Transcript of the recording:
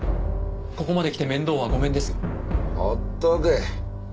ここまで来て面倒はごめんですよ。ほっとけ。